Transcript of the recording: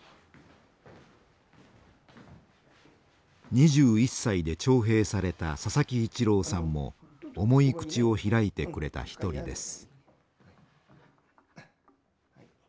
２１歳で徴兵された佐々木一郎さんも重い口を開いてくれた一人です。